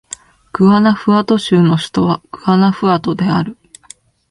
グアナフアト州の州都はグアナフアトである